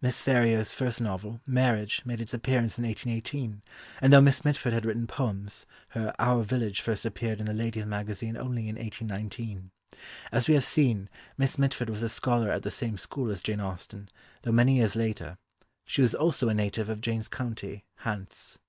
Miss Ferrier's first novel, Marriage, made its appearance in 1818; and though Miss Mitford had written poems, her Our Village first appeared in the Lady's Magazine only in 1819. As we have seen, Miss Mitford was a scholar at the same school as Jane Austen, though many years later. She was also a native of Jane's county, Hants.